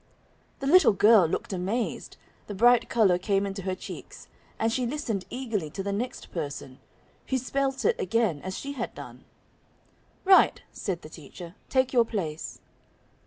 The little girl looked amazed, the bright color came into her cheeks, and she listened eagerly to the next person, who spelt it again as she had done. "Right," said the teacher; "take your place."